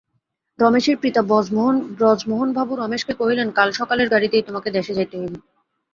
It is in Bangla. রমেশের পিতা ব্রজমোহনবাবু রমেশকে কহিলেন, কাল সকালের গাড়িতেই তোমাকে দেশে যাইতে হইবে।